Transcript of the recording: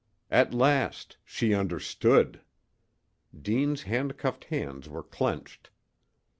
At last she understood! Dean's handcuffed hands were clenched.